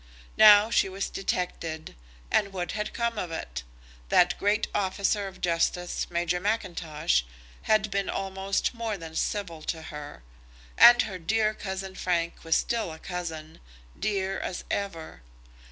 Now she was detected; and what had come of it? That great officer of justice, Major Mackintosh, had been almost more than civil to her; and her dear cousin Frank was still a cousin, dear as ever.